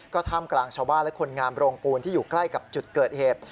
ท่ามกลางชาวบ้านและคนงามโรงปูนที่อยู่ใกล้กับจุดเกิดเหตุ